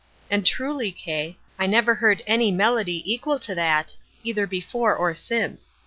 And truly, Kay, I never heard any melody equal to that, either before or since.